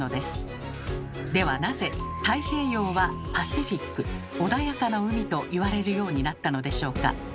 ではなぜ「太平洋」は「パシフィック穏やかな海」といわれるようになったのでしょうか？